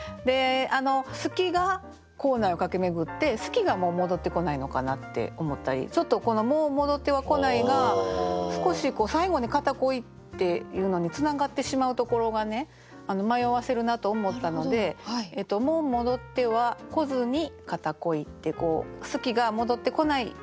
「好き」が校内を駆け巡って「好き」がもう戻ってこないのかなって思ったりちょっとこの「もう戻ってはこない」が少し最後に「片恋」っていうのにつながってしまうところがね迷わせるなと思ったので「もう戻っては来ずに片恋」って「好き」が戻ってこない。